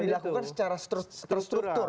itu dilakukan secara struktur